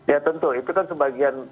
ya tentu itu kan sebagian